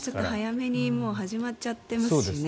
早めに始まっちゃってますしね。